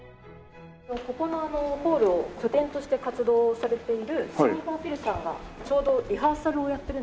ここのホールを拠点として活動されている新日本フィルさんがちょうどリハーサルをやってるんですね。